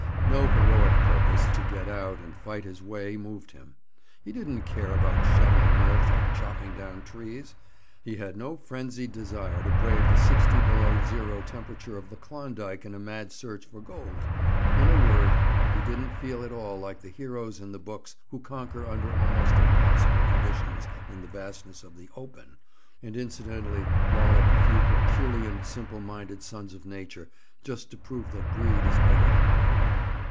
No heroic purpose to get out and fight his way moved him. He didn't care about shoveling earth, or chopping down trees. He had no frenzied desire to brave the sixty below zero temperature of the Klondike in a mad search for gold. In a word, he didn't feel at all like the heroes in the books who conquer under almost impossible conditions in the vastnesses of the "open," and incidentally whallop a few herculean simple minded sons of nature, just to prove that breed is better than brawn.